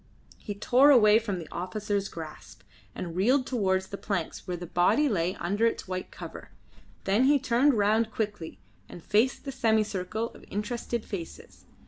He tore away from the officer's grasp, and reeled towards the planks where the body lay under its white cover; then he turned round quickly, and faced the semicircle of interested faces.